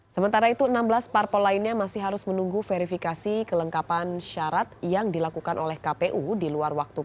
sementara itu enam belas parpol lainnya masih harus menunggu verifikasi kelengkapan syarat yang dilakukan oleh kpu di luar waktu